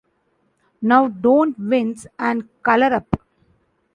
Now, don’t wince, and colour up!